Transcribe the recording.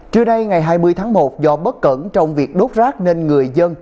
trưa nay ngày hai mươi tháng một do bất cẩn trong việc đốt rác nên người dân